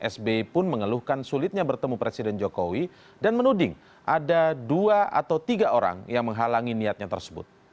sbi pun mengeluhkan sulitnya bertemu presiden jokowi dan menuding ada dua atau tiga orang yang menghalangi niatnya tersebut